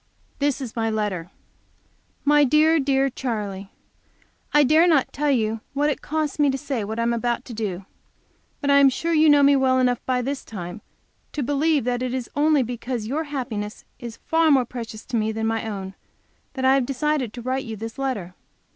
This is my letter: My Dear, Dear Charley I dare not tell you what it costs me to say what I am about to do; but I am sure you know me well enough by this time believe that it is only because your happiness is far more precious to me than my own, that I have decided to write you this letter.